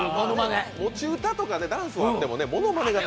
持ち歌とかダンスはあってもねものまねはね。